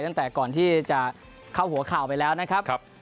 ตั้งแต่ก่อนที่จะเข้าหัวข่าวไปแล้วนะครับ